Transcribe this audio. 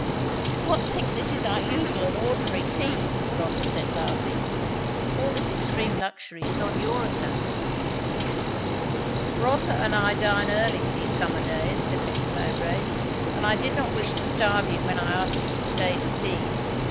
"Do not think this is our usual and ordinary tea!" Rotha said laughing. "All this extreme luxury is on your account." "Rotha and I dine early, these summer days," said Mrs. Mowbray; "and I did not wish to starve you when I asked you to stay to tea.